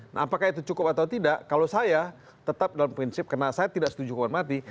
nah apakah itu cukup atau tidak kalau saya tetap dalam prinsip karena saya tidak setuju hukuman mati